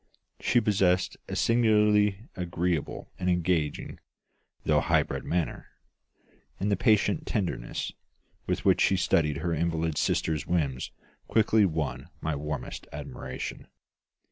She possessed a singularly agreeable and engaging, though high bred manner; and the patient tenderness with which she studied her invalid sister's whims quickly won my warmest admiration.